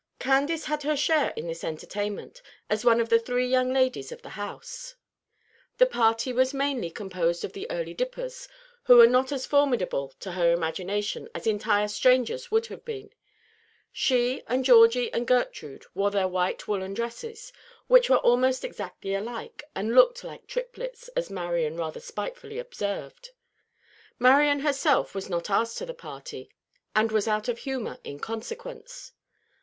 Candace had her share in this entertainment, as one of the three young ladies of the house. The party was mainly composed of the "Early Dippers," who were not as formidable to her imagination as entire strangers would have been. She and Georgie and Gertrude wore their white woollen dresses, which were almost exactly alike, and "looked like triplets," as Marian rather spitefully observed. Marian herself was not asked to the party, and was out of humor in consequence.